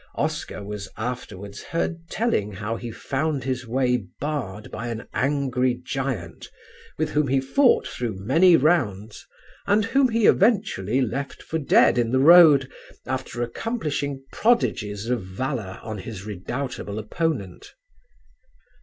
Oscar was afterwards heard telling how he found his way barred by an angry giant with whom he fought through many rounds and whom he eventually left for dead in the road after accomplishing prodigies of valour on his redoubtable opponent.